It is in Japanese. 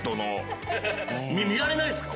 見られないっすか？